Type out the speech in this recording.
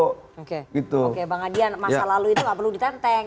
oke bang adrian masa lalu itu gak perlu ditenteng